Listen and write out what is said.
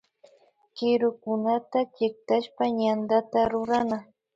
Kirukunata chiktashpa yantata rurana